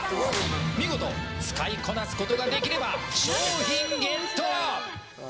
見事使いこなすことができれば商品ゲット！